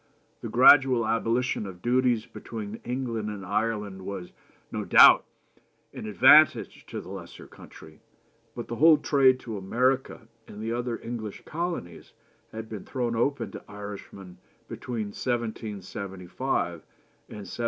The gradual abolition of duties between England and Ireland was, no doubt, an advantage to the lesser country, but the whole trade to America and the other English colonies had been thrown open to Irishmen between 1775 and 1779.